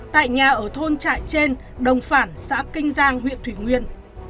tại nhà ở thôn trại trên đồng phản xã kinh giang huyện thủy nguyên